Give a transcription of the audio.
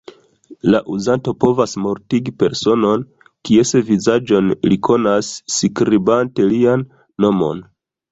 La uzanto povas mortigi personon, kies vizaĝon li konas, skribante lian nomon.